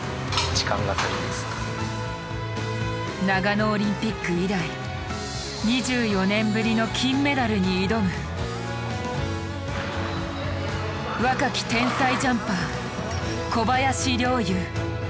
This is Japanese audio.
長野オリンピック以来２４年ぶりの金メダルに挑む若き天才ジャンパー小林陵侑。